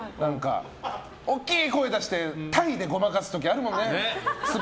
大きい声出して体でごまかす時あるもんね。